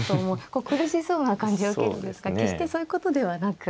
こう苦しそうな感じを受けるんですが決してそういうことではなく。